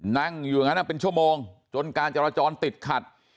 นั่งอยู่อย่างนั้นเป็นชั่วโมงจนการจราจรติดขัด